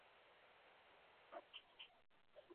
父亲是宇津忠茂。